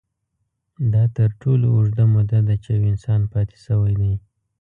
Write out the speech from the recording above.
دا تر ټولو اوږده موده ده، چې یو انسان پاتې شوی دی.